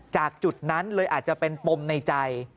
จุดนั้นเลยอาจจะเป็นปมในใจ